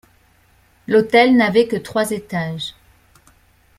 L'hôtel n'avait que trois étages.